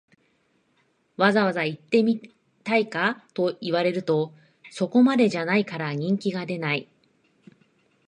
わざわざ行ってみたいかと言われると、そこまでじゃないから人気が出ない